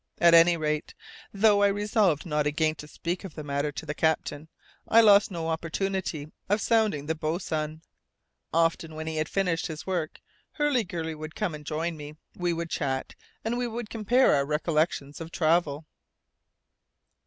At any rate, though I resolved not again to speak of the matter to the captain, I lost no opportunity of sounding the boatswain. Often when he had finished his work, Hurliguerly would come and join me; we would chat, and we would compare our recollections of travel.